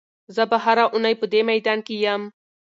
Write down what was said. زه به هره اونۍ په دې میدان کې یم.